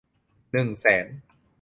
หนึ่งแสน